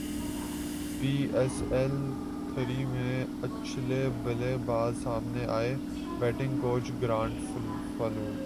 پی S L three میں اچھے بلے باز سامنے ائے بیٹنگ کوچ گرانٹ فلاور